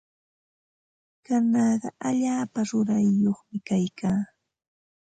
Kanaqa allaapa rurayyuqmi kaykaa.